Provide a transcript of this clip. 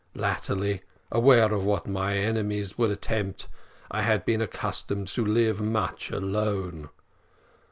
Latterly, aware of what my enemies would attempt, I had been accustomed to live much alone.